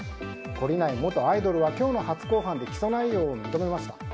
懲りない元アイドルは今日の初公判で起訴内容を認めました。